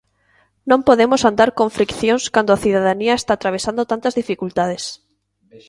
Non podemos andar con friccións cando a cidadanía está atravesando tantas dificultades.